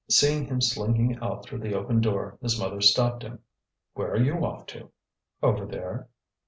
Seeing him slinking out through the open door, his mother stopped him. "Where are you off to?" "Over there."